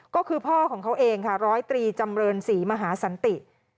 ก็คือพ่อของเขาเองค่ะร้อยตรีจำเรินศรีมหาสันติ